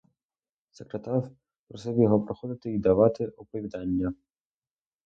Секретар просив його приходити й давати оповідання.